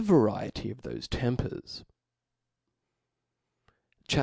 variety of thofe tempers. CHAP.